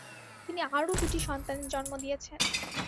তিনি আরও দুটি সন্তানের জন্ম দিয়েছেন।